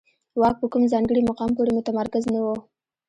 واک په کوم ځانګړي مقام پورې متمرکز نه و.